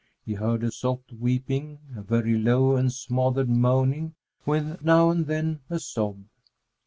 He heard a soft weeping, a very low and smothered moaning, with now and then a sob.